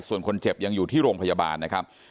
ส่วนคนเจ็บยังอยู่ที่โรงพยาบาลนะครับ